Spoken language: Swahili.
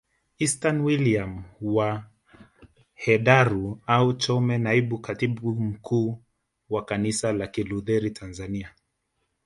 Ernest William wa Hedaru au Chome Naibu Katibu Mkuu wa kanisa la kilutheri Tanzania